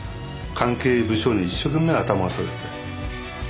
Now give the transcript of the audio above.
関係部署に一生懸命頭を下げて。